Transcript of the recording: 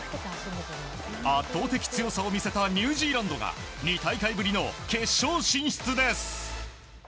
圧倒的強さを見せたニュージーランドが２大会ぶりの決勝進出です。